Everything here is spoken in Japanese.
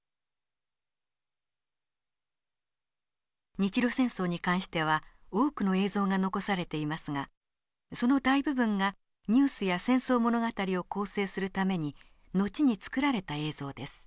日露戦争に関しては多くの映像が残されていますがその大部分がニュースや戦争物語を構成するために後に作られた映像です。